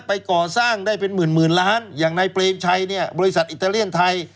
ไปก่อสร้างได้เป็นหมื่นหมื่นล้านอย่างนายเปรมชัยเนี่ยบริษัทอิตาเลียนไทย